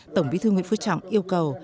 tổng bí thư nguyễn phú trọng yêu cầu